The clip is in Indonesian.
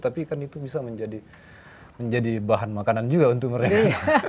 tapi kan itu bisa menjadi bahan makanan juga untuk mereka